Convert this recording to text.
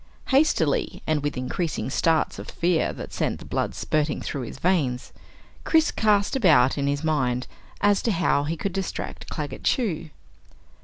Hastily, and with increasing starts of fear that sent the blood spurting through his veins, Chris cast about in his mind as to how he could distract Claggett Chew.